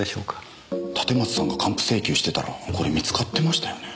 立松さんが還付請求してたらこれ見つかってましたよね。